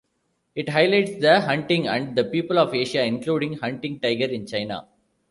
It highlights the hunting and the people of Asia, including hunting tiger in China.